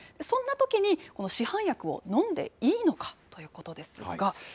そんなときにこの市販薬を飲んでいいのかということですが。